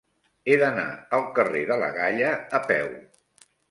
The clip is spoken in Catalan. He d'anar al carrer de la Galla a peu.